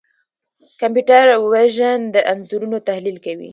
کمپیوټر وژن د انځورونو تحلیل کوي.